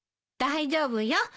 大丈夫よ。